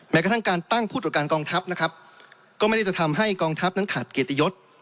กระทั่งการตั้งผู้ตรวจการกองทัพนะครับก็ไม่ได้จะทำให้กองทัพนั้นขาดเกียรติยศ